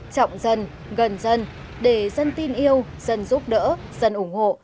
trọng dân gần dân để dân tin yêu dân giúp đỡ dân ủng hộ